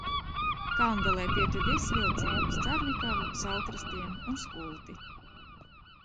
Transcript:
Kalngalē pietur visi vilcieni uz Carnikavu, Saulkrastiem un Skulti.